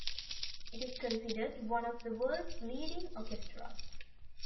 It is considered one of the world's leading orchestras.